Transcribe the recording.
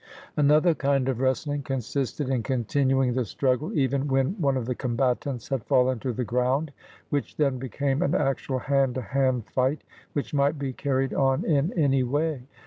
Another kind of wrestling consisted in continuing the struggle even when one of the combatants had fallen to the ground, which then became an actual hand to hand fight, which might be carried on in any way.